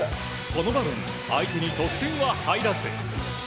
この場面相手に得点は入らず。